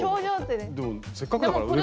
でもせっかくだから上からね。